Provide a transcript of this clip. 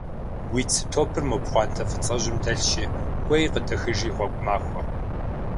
Уи цы топыр мо пхъуантэ фӀыцӀэжьым дэлъщи кӀуэи къыдэхыжи, гъуэгу махуэ.